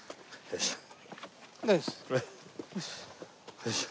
よいしょ。